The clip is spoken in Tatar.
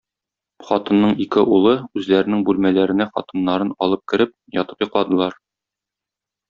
Хатынның ике улы, үзләренең бүлмәләренә хатыннарын алып кереп, ятып йокладылар.